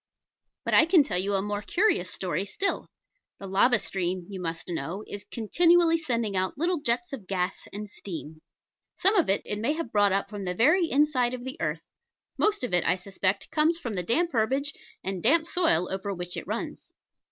But I can tell you a more curious story still. The lava stream, you must know, is continually sending out little jets of gas and steam: some of it it may have brought up from the very inside of the earth; most of it, I suspect, comes from the damp herbage and damp soil over which it runs.